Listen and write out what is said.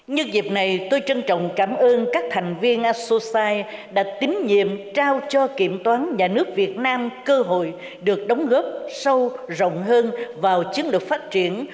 nhân dịp này tôi trân trọng cảm ơn các thành viên asosai đã tín nhiệm trao cho kiểm toán nhà nước việt nam cơ hội được đóng góp sâu rộng hơn vào chiến lược phát triển